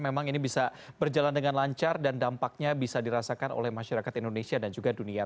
memang ini bisa berjalan dengan lancar dan dampaknya bisa dirasakan oleh masyarakat indonesia dan juga dunia